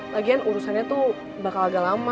lagian urusannya tuh bakal agak lama